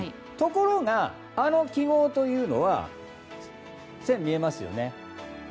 ところが、あの記号というのは線が見えますよね。